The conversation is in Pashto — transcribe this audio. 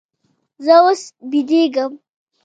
زه اوس بېدېږم.